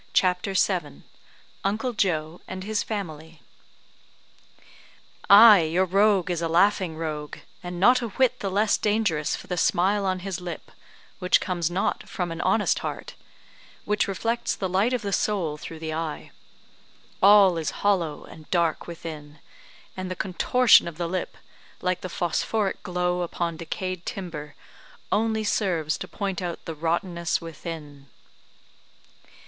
CHAPTER VII UNCLE JOE AND HIS FAMILY "Ay, your rogue is a laughing rogue, and not a whit the less dangerous for the smile on his lip, which comes not from an honest heart, which reflects the light of the soul through the eye. All is hollow and dark within; and the contortion of the lip, like the phosophoric glow upon decayed timber, only serves to point out the rotteness within."